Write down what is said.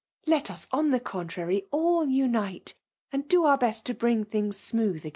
Let us, on the contrary, all unite aftd do our best to bring things smooth agam.